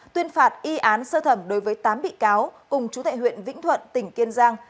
tuyên phạt y án sơ thẩm đối với tám bị cáo cùng chú thệ huyện vĩnh thuận tỉnh kiên giang